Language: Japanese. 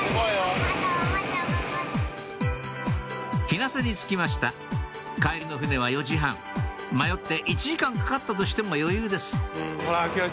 日生に着きました帰りの船は４時半迷って１時間かかったとしても余裕です